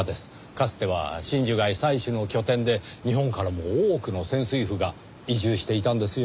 かつては真珠貝採取の拠点で日本からも多くの潜水夫が移住していたんですよ。